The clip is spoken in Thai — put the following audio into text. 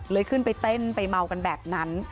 ขึ้นไปเต้นไปเมากันแบบนั้น